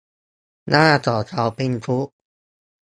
หน้าของเขาเป์นทุกข์